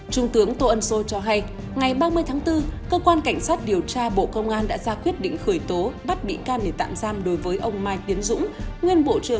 trung tướng tô ân sô cho hay ngày ba mươi tháng bốn cơ quan cảnh sát điều tra bộ công an đã ra quyết định khởi tố